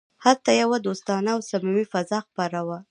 هلته یوه دوستانه او صمیمي فضا خپره وه